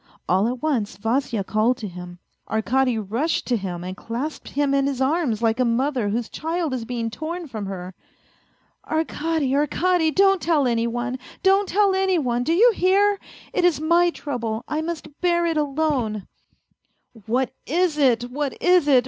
All at once Vasya called to him. Arkady rushed to him and clasped him in his arms like a mother whose child is being torn from her. " Arkady, Arkady, don't tell any one ! Don't tell any one, do you hear ? It is my trouble, I must bear it alone." " What is it what is it ?